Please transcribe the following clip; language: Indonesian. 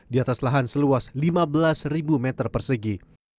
di atas lahan seluas lima belas meter persegi